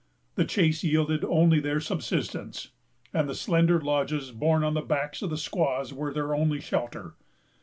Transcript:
The chase yielded their only subsistence; and the slender lodges, borne on the backs of the squaws, were their only shelter.